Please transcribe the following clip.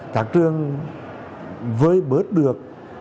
các trường vơi bớt được